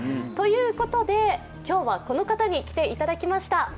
ということで、今日はこの方に来ていただきました。